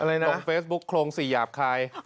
อะไรนะตรงเฟสบุ๊คโครงสี่หยาบคลาย